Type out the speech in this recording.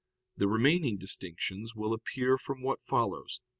The remaining distinctions will appear from what follows (Q.